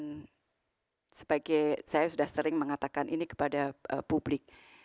dan sebagai saya sudah sering mengatakan ini kepada publik